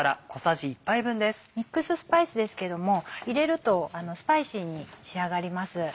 ミックススパイスですけども入れるとスパイシーに仕上がります。